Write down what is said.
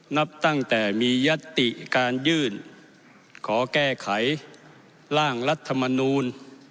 นับตั้งแต่มียัตติการยื่นขอแก้ไขร่างรัฐมนูล